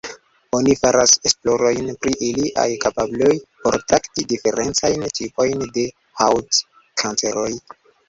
Oni faras esplorojn pri iliaj kapabloj por trakti diferencajn tipojn de haŭtkanceroj.